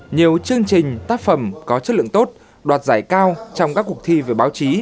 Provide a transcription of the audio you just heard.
nhiều chương trình tác phẩm có chất lượng tốt đoạt giải cao trong các cuộc thi về báo chí